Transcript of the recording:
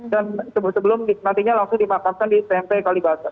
dan sebelum nantinya langsung dimakamkan di tmp kalibata